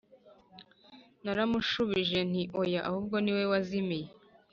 Naramushubije nti oya ahubwo ni wowe wazimiye